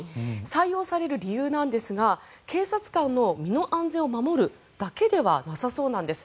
採用される理由なんですが警察官の身の安全を守るだけではなさそうなんです。